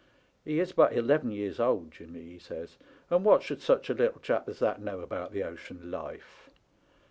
He is but eleven years old, Jimmy,' he says, 'and what should such a little chap as that know about the ocean life